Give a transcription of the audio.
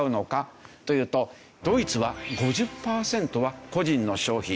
ドイツは５０パーセントは個人の消費。